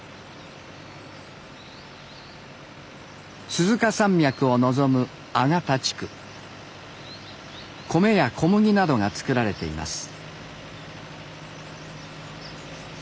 鈴鹿山脈を望む米や小麦などが作られています。